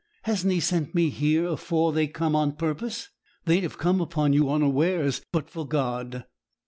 Hasn't He sent me here, afore they come, on purpose? They'd have come upon you unawares, but for God.'